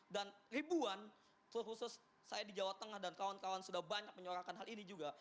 dan ribuan terus khusus saya di jawa tengah dan kawan kawan sudah banyak menyorakan hal ini juga